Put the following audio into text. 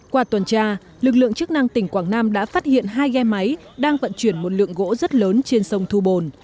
qua tuần tra lực lượng chức năng tỉnh quảng nam đã phát hiện hai ghe máy đang vận chuyển một lượng gỗ rất lớn trên sông thu bồn